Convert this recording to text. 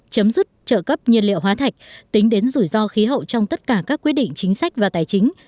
chấm dứt trợ cấp nhiên liệu hóa thạch tính đến rủi ro khí hậu trong tất cả các quyết định chính sách và tài chính